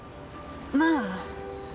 まあ。